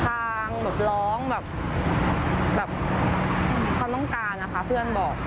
งแบบร้องแบบความต้องการนะคะเพื่อนบอก